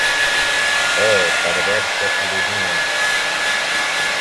Oh, perverses ironies!